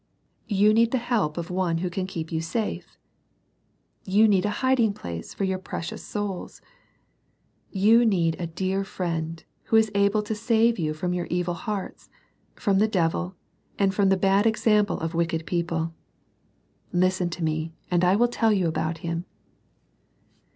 You need the help of One who can keep you safe. You need a hiding place for your precious souls. You need a dear Friend, who is able to save you from your evil hearts, from the devil, and from the bad example of wicked people. Listen to me, and I will tell you about Him.